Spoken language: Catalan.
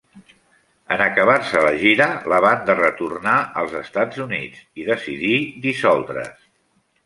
En acabar-se la gira la banda retornà als Estats Units i decidí dissoldre's.